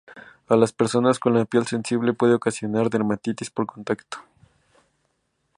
A las personas con la piel sensible puede ocasionar dermatitis por contacto.